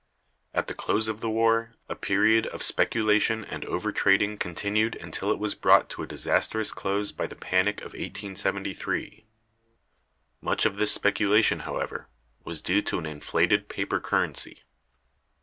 At the close of the war a period of speculation and overtrading continued until it was brought to a disastrous close by the panic of 1873. Much of this speculation, however, was due to an inflated paper currency.